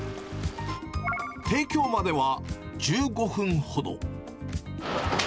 提供までは１５分ほど。